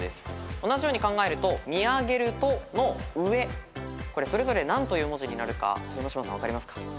同じように考えると「見あげると」のうえそれぞれ何という文字になるか豊ノ島さん分かりますか？